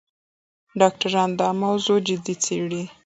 ډاکټران دا موضوع جدي څېړي.